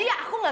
kau mau ngajak